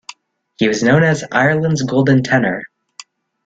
He was known as "Ireland's Golden Tenor".